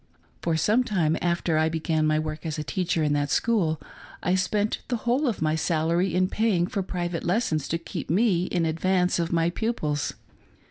For some time after I began my work as teacher in that, school, I spent the whole of my salary in paying for private lessons to keep me in advance of 3 34 "instructing" a protestant. my pupils.